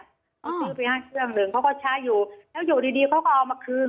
เขาซื้อไปให้เครื่องหนึ่งเขาก็ใช้อยู่แล้วอยู่ดีเขาก็เอามาคืน